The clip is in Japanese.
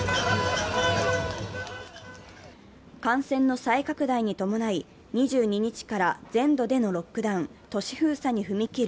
感染の再拡大に伴い、２２日から全土でのロックダウン＝都市封鎖に踏み切る